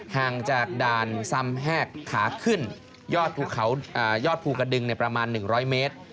ห่างจากด่านซ่ำแห้กขาขึ้นยอดภูกระดึงในประมาณ๑๐๐เมตร